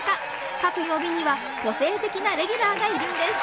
各曜日には個性的なレギュラーがいるんです。